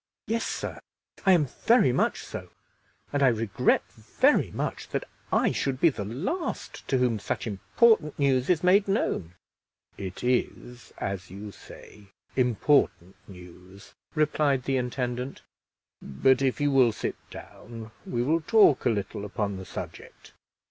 "Yes, sir, I am very much so; and I regret very much that I should be the last to whom such important news is made known." "It is, as you say, important news," replied the intendant; "but if you will sit down, we will talk a little upon the subject."